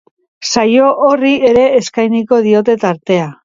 Saio horri ere eskainiko diote tartea.